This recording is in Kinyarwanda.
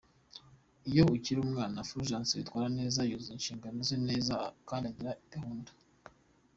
Iyo akiri umwana, Fulgence yitwara neza, yuzuza inshingano ze neza kandi agira gahunda.